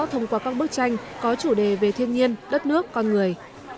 thông qua các bức tranh có chủ đề về thiên nhiên đất nước con người